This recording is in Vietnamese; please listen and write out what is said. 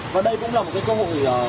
và đây cũng là một cơ hội